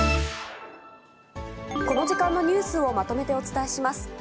この時間のニュースをまとめてお伝えします。